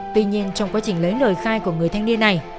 tuy nhiên trong quá trình lấy lời khai của người thanh niên này